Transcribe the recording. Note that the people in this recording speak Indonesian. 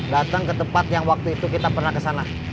datang ke tempat yang waktu itu kita pernah kesana